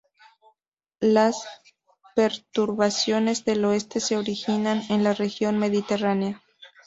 Las perturbaciones del oeste se originan en la región mediterránea.